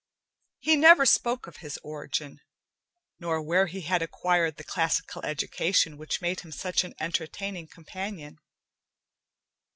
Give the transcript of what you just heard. He never spoke of his origin, nor where he had acquired the classical education which made him such an entertaining companion.